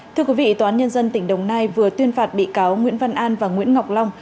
thưa quý vị tòa án nhân dân tỉnh đồng nai vừa tuyên phạt bị cáo nguyễn văn an và nguyễn ngọc long